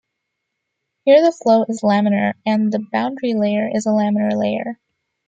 Here, the flow is laminar and the boundary layer is a laminar layer.